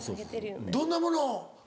どんなものを？